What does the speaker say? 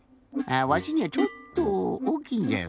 わしにはちょっとおおきいんじゃよ